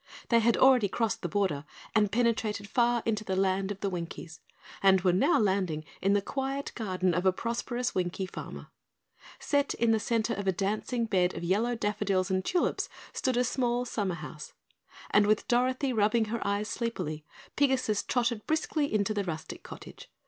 They had already crossed the border and penetrated far into the Land of the Winkies, and were now landing in the quiet garden of a prosperous Winkie farmer. Set in the center of a dancing bed of yellow daffodils and tulips stood a small summer house, and with Dorothy rubbing her eyes sleepily, Pigasus trotted briskly into the rustic cottage.